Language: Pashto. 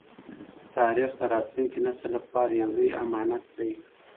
تاریخ د راتلونکي نسل لپاره یو لوی امانت دی.